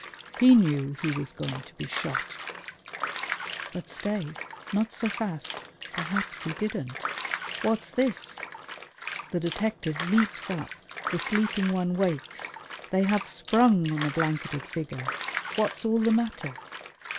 He knew he was going to be shot.... But stay! Not so fast! Perhaps he didn't. What's this? The detective leaps up, the sleeping one wakes: they have sprung on the blanketed figure. What's all the matter?